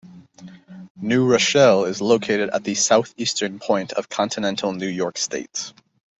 New Rochelle is located at the southeastern point of continental New York State.